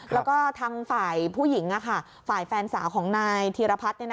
แล้วก็ทางฝ่ายผู้หญิงฝ่ายแฟนสาวของนายธีรพัฒน์